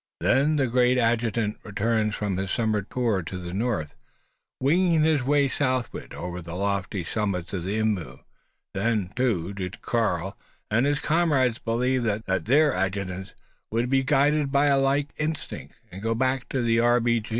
Then the great adjutant returns from his summer tour to the north winging his way southward over the lofty summits of Imaus. Then, too, did Karl and his comrades believe that their adjutants would be guided by a like instinct, and go back to the R.